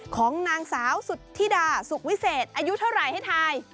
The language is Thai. ของนางสาวสุธิดาสุควิเศษอายุเท่าวันใหญ่ทางไทย